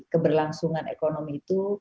keberlangsungan ekonomi itu